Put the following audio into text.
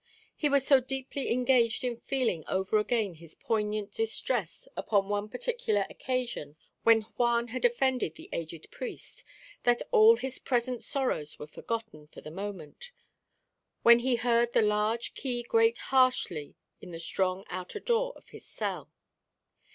He was so deeply engaged in feeling over again his poignant distress upon one particular occasion when Juan had offended the aged priest, that all his present sorrows were forgotten for the moment, when he heard the large key grate harshly in the strong outer door of his cell.